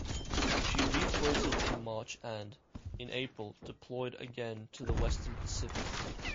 She refloated in March and, in April, deployed again to the western Pacific.